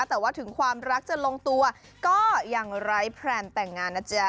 แต่ว่าถึงความรักจะลงตัวก็ยังไร้แพลนแต่งงานนะจ๊ะ